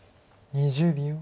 ２０秒。